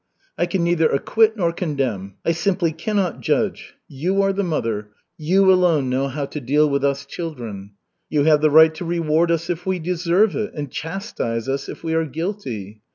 I can neither acquit nor condemn. I simply cannot judge. You are the mother; you alone know how to deal with us children. You have the right to reward us if we deserve it, and chastise us if we are guilty.